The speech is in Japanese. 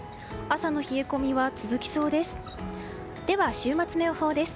朝の冷え込みは続きそうです。